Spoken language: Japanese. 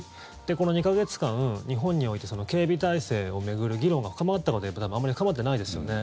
この２か月間、日本において警備態勢を巡る議論が深まったかといえばあまり深まってないですよね。